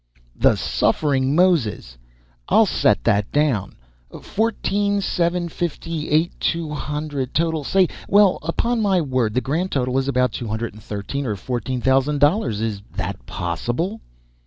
"The suffering Moses! I'll set that down. Fourteen seven fifty eight two hundred. Total, say well, upon my word, the grand total is about two hundred and thirteen or fourteen thousand dollars! Is that possible?"